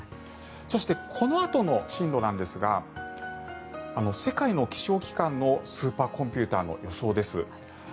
そしてこのあとの進路なんですが世界の気象機関のスーパーコンピューターの予想です。